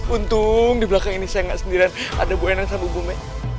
untung di belakang ini saya gak sendirian ada bu ena sama bu me